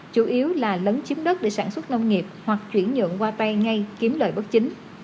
chủ yếu là lấn chiếm đất để sản xuất nông nghiệp hoặc chuyển nhượng qua tay ngay kiếm lời bất chính